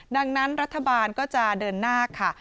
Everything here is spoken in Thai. ดังนั้นรัฐบาลก็จะเดินหน้าค่ะ